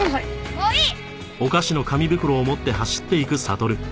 もういい！